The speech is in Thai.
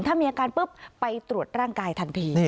ถ้ามีอาการปุ๊บไปตรวจร่างกายทันที